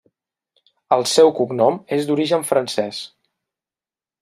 El seu cognom és d'origen francès.